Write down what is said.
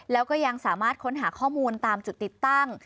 แล้วก็ยังสามารถค้นหาข้อมูลตามจุดติดตั้ง